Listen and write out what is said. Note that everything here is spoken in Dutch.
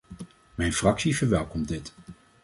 Mijn fractie verwelkomt dit.